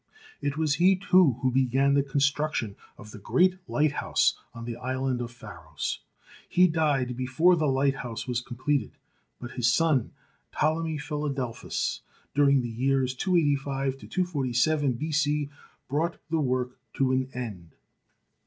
It was he, too, who began the construction of the great light house on the island of Pharos. He died before the lighthouse was completed, but his son, Ptolemy Philadelphus, during the years 285 to 247 B.C., brought the work to an end.